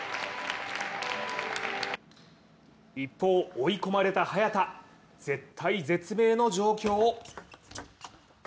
一方、追い込まれた早田、絶体絶命の状況。